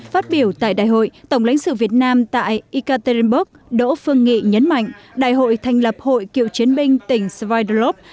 phát biểu tại đại hội tổng lãnh sự việt nam tại ikaterinburg đỗ phương nghị nhấn mạnh đại hội thành lập hội cựu chiến binh tỉnh svidrov